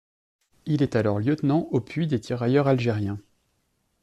Il est alors lieutenant au puis de tirailleurs Algériens.